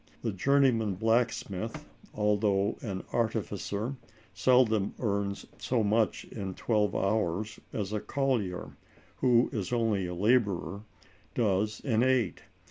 A journeyman blacksmith, though an artificer, seldom earns so much in twelve hours as a collier, who is only a laborer, does in eight.